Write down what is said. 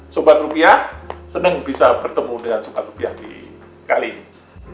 sobat rupiah senang bisa bertemu dengan suka rupiah di kali ini